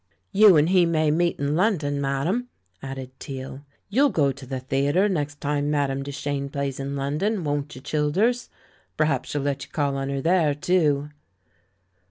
"You and he maj;^ meet in London, madame," added Teale. "You'll go to the theatre next time madame Duchene plays in London, won't you, Childers? Perhaps she'll let you call on her there, too?"